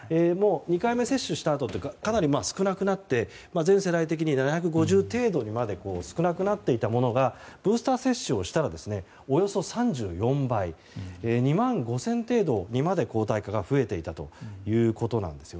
２回目接種したあとかなり少なくなって、全世代的に７５０程度にまで少なくなっていたものがブースター接種をしたらおよそ３４倍の２万５００程度にまで抗体価が増えていたということです。